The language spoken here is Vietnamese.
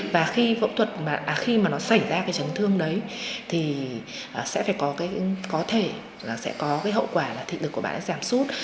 và khi phẫu thuật mà à khi mà nó xảy ra cái chấn thương đấy thì sẽ phải có cái có thể là sẽ có cái hậu quả là thị lực của bạn đã giảm sút